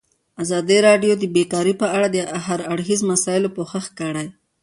ازادي راډیو د بیکاري په اړه د هر اړخیزو مسایلو پوښښ کړی.